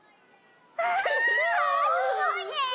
わあすごいね！